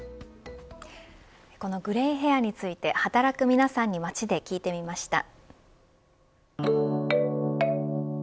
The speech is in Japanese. このグレイヘアについて働く皆さんに街で聞いてみました。